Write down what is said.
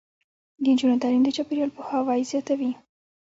د نجونو تعلیم د چاپیریال پوهاوي زیاتوي.